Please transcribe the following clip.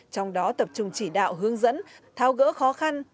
trong đó tập trung chỉ đạo hướng dẫn thao gỡ khó khăn